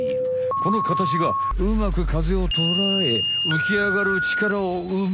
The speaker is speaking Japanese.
このかたちがうまく風をとらえうきあがる力をうむ。